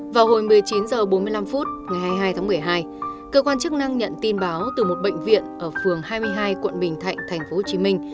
vào hồi một mươi chín h bốn mươi năm ngày hai mươi hai tháng một mươi hai cơ quan chức năng nhận tin báo từ một bệnh viện ở phường hai mươi hai quận bình thạnh tp hcm